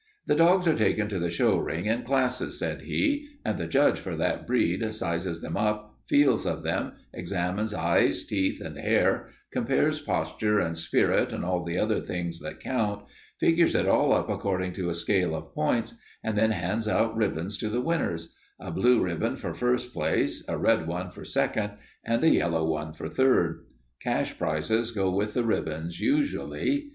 "The dogs are taken to the show ring in classes," said he, "and the judge for that breed sizes them up, feels of them, examines eyes, teeth, and hair, compares posture and spirit and all the other things that count, figures it all up according to a scale of points, and then hands out ribbons to the winners a blue ribbon for first prize, a red one for second, and a yellow one for third. Cash prizes go with the ribbons usually.